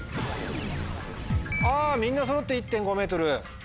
あみんな揃って１．５ｍ。